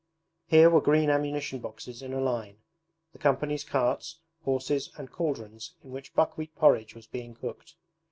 Here were green ammunition boxes in a line, the company's carts, horses, and cauldrons in which buckwheat porridge was being cooked.